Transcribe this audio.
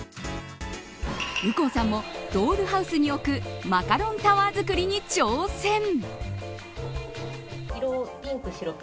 右近さんもドールハウスに置くマカロンタワー作りに挑戦。